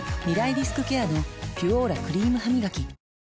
リスクケアの「ピュオーラ」クリームハミガキ